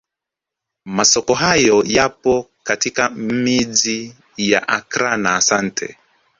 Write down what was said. Masoko hayo yapo katika miji ya Accra na Asante